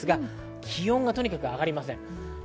気温がとにかく上がりません。